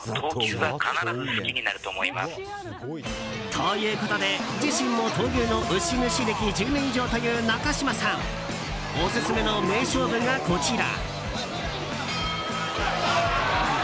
ということで、自身も闘牛の牛主歴１０年以上という中島さんオススメの名勝負がこちら。